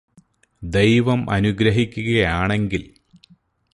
ദൈവം അനുഗ്രഹിക്കുകയാണെങ്കിൽ